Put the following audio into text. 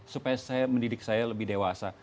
supaya saya mendidik saya lebih dewasa